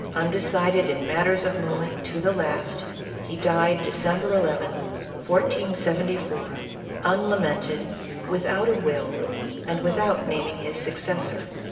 Undecided in matters of moment, to the last, he died December llth, 1474, unlamented, without a will, and without naming his successor.